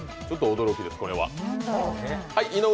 ちょっと驚きです、これは。